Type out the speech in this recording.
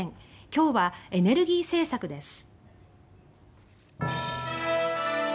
今日はエネルギー政策です。